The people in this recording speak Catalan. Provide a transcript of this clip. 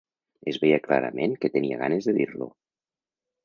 Es veia ben clarament que tenia ganes de dir-lo